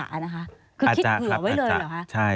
คือคิดเผื่อไว้เลยเหรอคะ